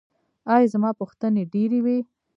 ایا زما پوښتنې ډیرې وې؟